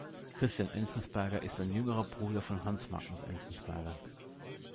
Christian Enzensberger ist ein jüngerer Bruder von Hans Magnus Enzensberger.